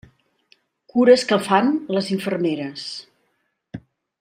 Cures que fan les infermeres.